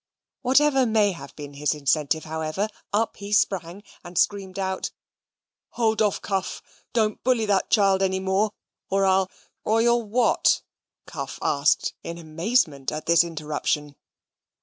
Whatever may have been his incentive, however, up he sprang, and screamed out, "Hold off, Cuff; don't bully that child any more; or I'll " "Or you'll what?" Cuff asked in amazement at this interruption.